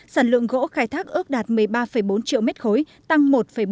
sản lượng gỗ khai thác ước đạt một mươi ba bốn triệu m ba tăng một bốn